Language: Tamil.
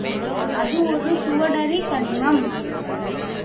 அது ஒரு சுவடறி தனிமம்.